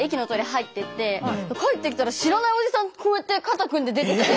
入ってって帰ってきたら知らないおじさんとこうやって肩組んで出てきて。